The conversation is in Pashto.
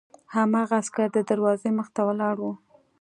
هماغه عسکر د دروازې مخې ته ولاړ و